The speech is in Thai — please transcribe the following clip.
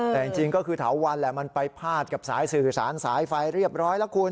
แต่จริงก็คือเถาวันแหละมันไปพาดกับสายสื่อสารสายไฟเรียบร้อยแล้วคุณ